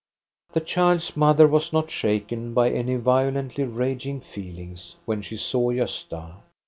The child's mother was not shaken by any violently raging feelings when she saw Gosta.